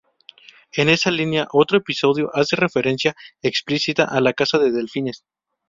En esa línea, otro episodio hace referencia explícita a la caza de delfines.